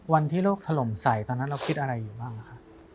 วันที่โลกถล่มใส่ตอนนั้นเราคิดอะไรอยู่บ้าง